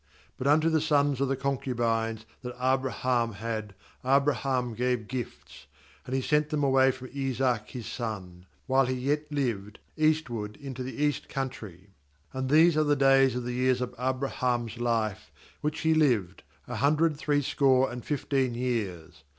6But unto the sons of the concubines, that Abraham had, Abraham gave gifts; and he sent them away from Isaac his son, while he yet lived, eastward, unto the east country. 7And these are the days of the years of Abraham's life which he lived, a hundred threescore and fifteen years.